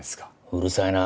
うるさいな。